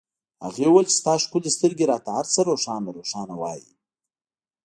هغې وویل چې ستا ښکلې سترګې راته هرڅه روښانه روښانه وایي